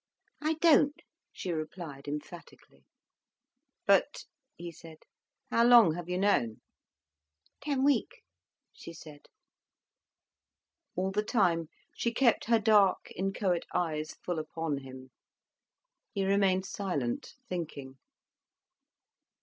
"I don't," she replied emphatically. "But—" he said, "how long have you known?" "Ten weeks," she said. All the time she kept her dark, inchoate eyes full upon him. He remained silent, thinking.